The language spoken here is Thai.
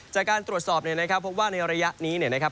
จากการตรวจสอบเนี่ยนะครับพบว่าในระยะนี้เนี่ยนะครับ